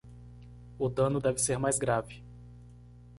O dano deve ser mais grave